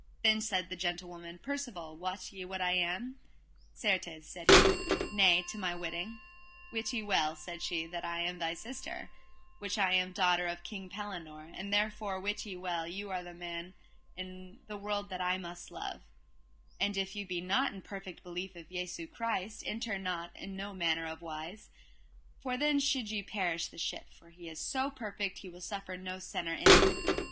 Then said the gentlewoman: Percivale, wot ye what I am? Certes, said he, nay, to my witting. Wit ye well, said she, that I am thy sister, which am daughter of King Pellinore, and therefore wit ye well ye are the man in the world that I most love; and if ye be not in perfect belief of Jesu Christ enter not in no manner of wise, for then should ye perish the ship, for he is so perfect he will suffer no sinner in him.